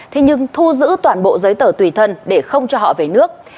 thế nhưng thu giữ toàn bộ giấy tờ tùy thân để không cho họ về nước